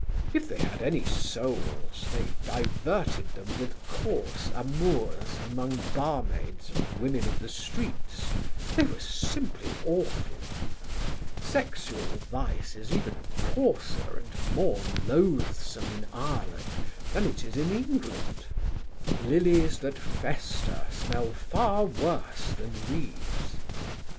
If they had any souls they diverted them with coarse amours among barmaids and the women of the streets; they were simply awful. Sexual vice is even coarser and more loathsome in Ireland than it is in England: "'Lilies that fester smell far worse than weeds.'